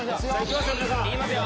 いきますよ